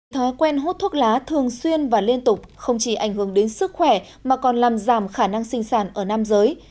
thói quen hút thuốc lá thường xuyên và liên tục không chỉ ảnh hưởng đến sức khỏe mà còn làm giảm khả năng sinh sản ở nam giới